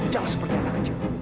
jangan seperti anak kecil